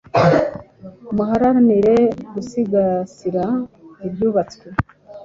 muharanire gusigasira ibyubatswe